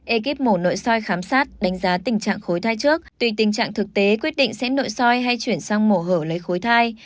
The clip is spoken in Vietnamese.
ekip mổ nội soi khám xét đánh giá tình trạng khối thai trước tùy tình trạng thực tế quyết định sẽ nội soi hay chuyển sang mổ hở lấy khối thai